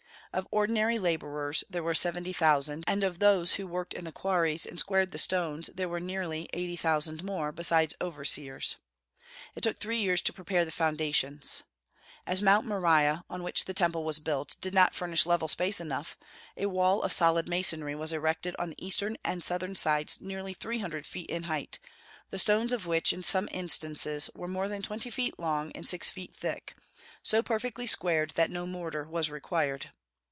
Of ordinary laborers there were seventy thousand; and of those who worked in the quarries and squared the stones there were eighty thousand more, besides overseers. It took three years to prepare the foundations. As Mount Moriah, on which the Temple was built, did not furnish level space enough, a wall of solid masonry was erected on the eastern and southern sides nearly three hundred feet in height, the stones of which, in some instances, were more than twenty feet long and six feet thick, so perfectly squared that no mortar was required.